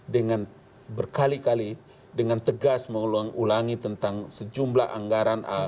dengan berkali kali dengan tegas mengulangi tentang sejumlah anggaran